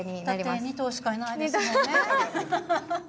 だって２頭しかいないですもんね。